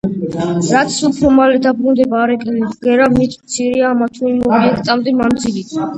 რაც უფრო მალე დაბრუნდება არეკლილი ბგერა, მით მცირეა ამა თუ იმ ობიექტამდე მანძილი.